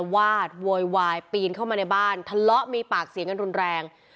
วาดโวยวายปีนเข้ามาในบ้านทะเลาะมีปากเสียงกันรุนแรง